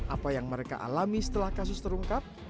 apa yang mereka alami setelah kasus terungkap